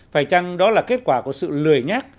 phải chăng đó là kết quả của sự lười nhát